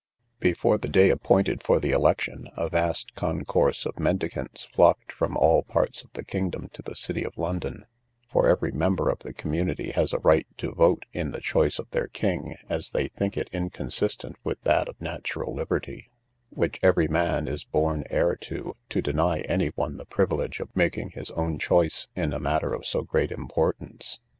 Before the day appointed for the election a vast concourse of mendicants flocked from all parts of the kingdom to the city of London; for every member of the community has a right to vote in the choice of their king, as they think it inconsistent with that of natural liberty, which every man is born heir to, to deny any one the privilege of making his own choice in a matter of so great importance.